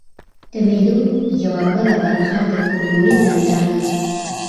د مېلو یوه بله برخه د فکلوري نندارې يي.